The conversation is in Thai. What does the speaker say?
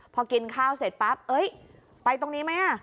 พอกินข้าวเสร็จปั๊บไปตรงนี้ไหม